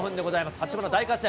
八村、大活躍。